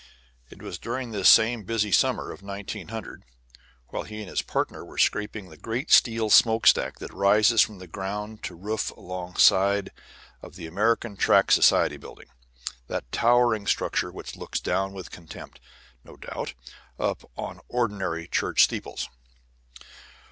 It was during this same busy summer of 1900, while he and his partner were scraping the great steel smoke stack that rises from ground to roof along one side of the American Tract Society Building, that towering structure which looks down with contempt, no doubt, upon ordinary church steeples.